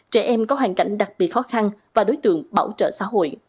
trẻ em có hoàn cảnh đặc biệt khó khăn và đối tượng bảo trợ xã hội